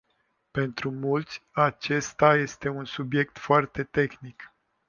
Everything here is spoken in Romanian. Pentru mulți, acesta este un subiect foarte tehnic.